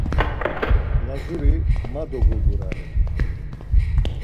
Lazuri ma dogogurare.